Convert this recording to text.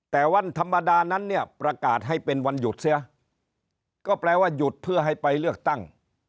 แต่วันธรรมดานั้นเนี่ยประกาศให้เป็นวันหยุดเสียก็แปลว่าหยุดเพื่อให้ไปเลือกตั้ง